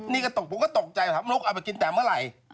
นี่ก็ตกผมก็ตกใจถามลูกเอาไปกินแต่เมื่อไหร่